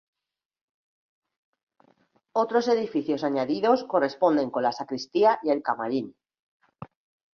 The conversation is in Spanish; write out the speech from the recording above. Otros edificios añadidos corresponden con la sacristía y el camarín.